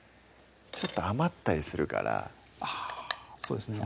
ちょっと余ったりするからあそうですね